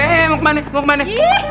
hei mau kemana